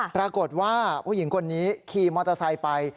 ปรากฏว่าผู้หญิงคนนี้ขี่มอเตอร์ไซค์ไป